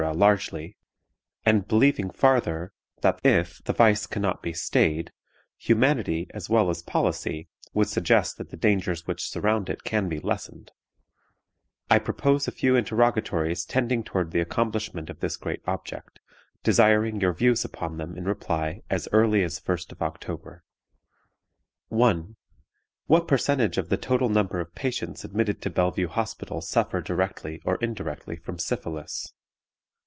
largely; and believing farther that, if the vice can not be stayed, humanity as well as policy would suggest that the dangers which surround it can be lessened, I propose a few interrogatories tending toward the accomplishment of this great object, desiring your views upon them in reply as early as 1st of October. "1. What percentage of the total number of patients admitted to Bellevue Hospital suffer directly or indirectly from syphilis?